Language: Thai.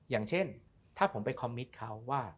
อย่างเช่นถ้าผมไปคอมมิตเขาว่า